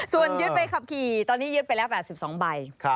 ส่วนยึดใบขับขี่ตอนนี้ยึดไปแล้ว๘๒ใบ